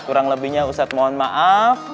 kurang lebihnya ustadz mohon maaf